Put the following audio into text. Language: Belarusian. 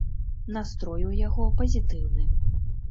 Настрой у яго пазітыўны.